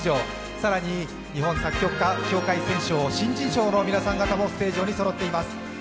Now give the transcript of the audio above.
更に日本作曲家協会選奨新人賞の皆さんもステージ上にそろっています。